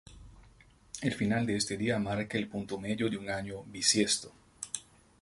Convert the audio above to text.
El final de este día marca el punto medio de un año bisiesto.